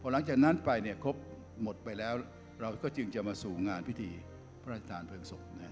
หลังจากนั้นไปครบหมดไปแล้วเราก็จึงจะมาสู่งานพิธีพระราชทานเพลิงศพ